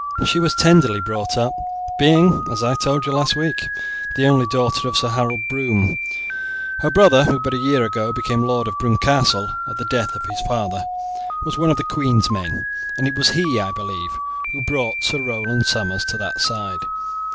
She was tenderly brought up, being, as I told you last week, the only daughter of Sir Harold Broome. Her brother, who but a year ago became lord of Broomecastle at the death of his father, was one of the queen's men, and it was he, I believe, who brought Sir Roland Somers to that side.